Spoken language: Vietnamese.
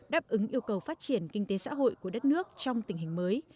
đáp ứng yêu cầu phát triển kinh tế xã hội của đất nước trong tình hình mới